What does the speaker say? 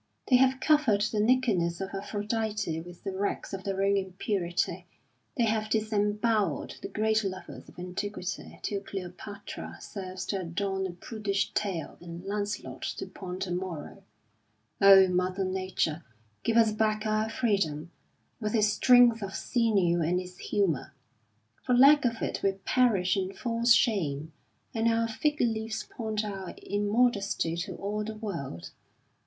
They have covered the nakedness of Aphrodite with the rags of their own impurity. They have disembowelled the great lovers of antiquity till Cleopatra serves to adorn a prudish tale and Lancelot to point a moral. Oh, Mother Nature, give us back our freedom, with its strength of sinew and its humour! For lack of it we perish in false shame, and our fig leaves point our immodesty to all the world.